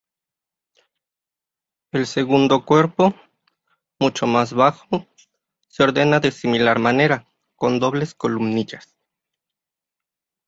El segundo cuerpo, mucho más bajo, se ordena de similar manera, con dobles columnillas.